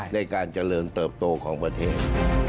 ในการเจริญเติบโตของประเทศ